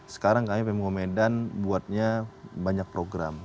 sekarang kami pemko medan buatnya banyak program